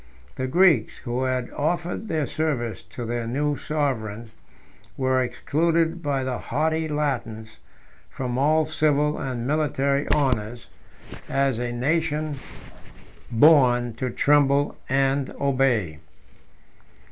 The Greeks, who had offered their service to their new sovereigns, were excluded by the haughty Latins 22 from all civil and military honors, as a nation born to tremble and obey.